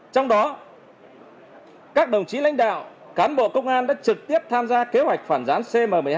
trong đó các đồng chí lãnh đạo cán bộ công an đã trực tiếp tham gia kế hoạch phản gián cm một mươi hai